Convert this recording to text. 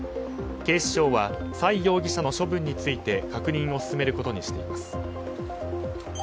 警視庁はサイ容疑者の処分について確認を進めることにしています。